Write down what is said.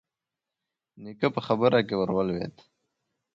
نيکه په خبره کې ور ولوېد: